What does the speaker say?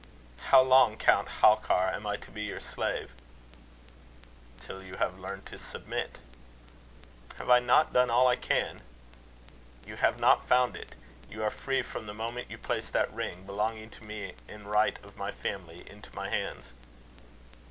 "How long, Count Halkar, am I to be your slave?" "Till you have learned to submit." "Have I not done all I can?" "You have not found it. You are free from the moment you place that ring, belonging to me, in right of my family, into my hands."